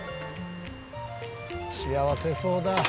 「幸せそうだ」